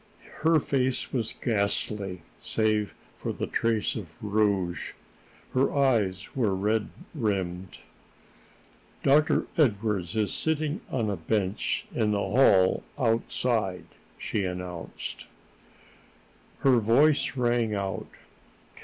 Her face was ghastly, save for the trace of rouge; her eyes were red rimmed. "Dr. Edwardes is sitting on a bench in the hall outside!" she announced. Her voice rang out.